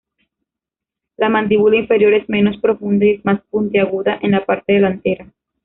La mandíbula inferior es menos profunda y es más puntiaguda en la parte delantera.